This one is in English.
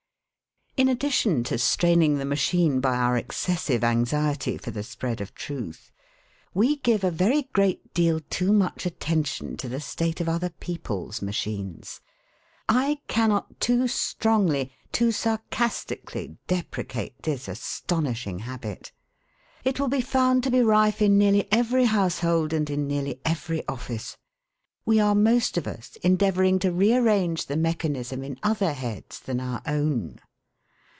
In addition to straining the machine by our excessive anxiety for the spread of truth, we give a very great deal too much attention to the state of other people's machines. I cannot too strongly, too sarcastically, deprecate this astonishing habit. It will be found to be rife in nearly every household and in nearly every office. We are most of us endeavouring to rearrange the mechanism in other heads than our own.